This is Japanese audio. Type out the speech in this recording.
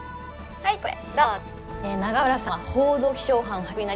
はいこれ。